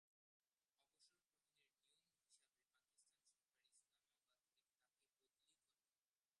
অবসরগ্রহণের নিয়ম হিসাবে পাকিস্তান সরকার ইসলামাবাদে তাকে বদলি করে।